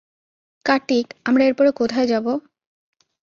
কার্তিক, আমরা এরপরে কোথায় যাব?